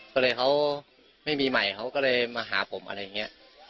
ก็เลยเขาไม่มีใหม่เขาก็เลยมาหาผมอะไรอย่างนี้